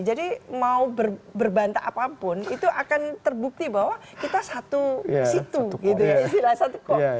jadi mau berbanta apapun itu akan terbukti bahwa kita satu situ gitu ya